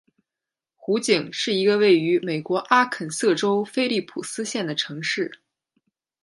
湖景是一个位于美国阿肯色州菲利普斯县的城市。